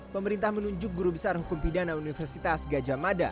pemerintah menunjuk guru besar hukum pidana universitas gajah mada